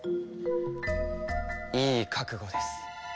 いい覚悟です。